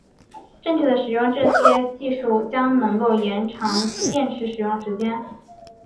正确的使用这些技术将能够延长电池使用时间。